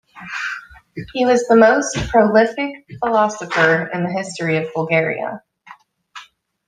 He was the most prolific philosopher in the history of Bulgaria.